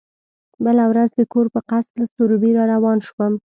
بله ورځ د کور په قصد له سروبي را روان شوم.